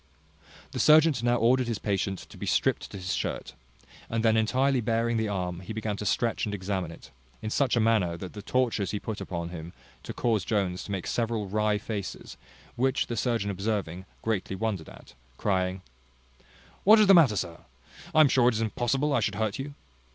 The surgeon now ordered his patient to be stript to his shirt, and then entirely baring the arm, he began to stretch and examine it, in such a manner that the tortures he put him to caused Jones to make several wry faces; which the surgeon observing, greatly wondered at, crying, "What is the matter, sir? I am sure it is impossible I should hurt you."